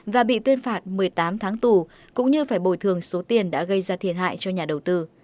và bị tuyên phạt một mươi tám tháng tù cũng như phải bồi thường số tiền đã gây ra thiệt hại cho nhà đầu tư